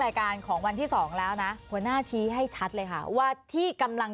รายการของวันที่สองแล้วนะหัวหน้าชี้ให้ชัดเลยค่ะว่าที่กำลัง